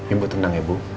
ibu tenang ya bu